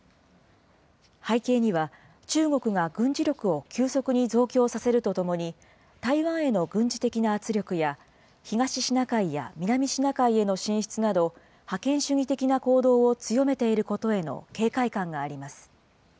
背景には中国が軍事力を急速に増強させるとともに、台湾への軍事的な圧力や、東シナ海や南シナ海への進出など、覇権主義的な行動を強めていることへの警戒感があります。